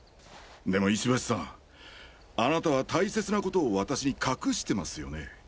でも石橋さんあなたは大切な事を私に隠してますよね？